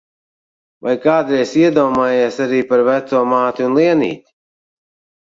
Vai kādreiz iedomājies arī par veco māti un Lienīti?